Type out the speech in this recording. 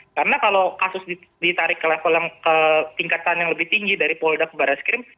karena kalau kasus ditarik ke tingkatan yang lebih tinggi dari polda ke baris krim